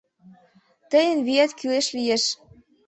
Тыйын виет кӱлеш лиеш